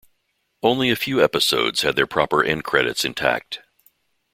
Only a few episodes had their proper end credits intact.